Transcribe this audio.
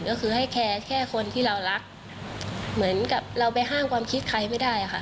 ก็คือให้แคร์แค่คนที่เรารักเหมือนกับเราไปห้ามความคิดใครไม่ได้ค่ะ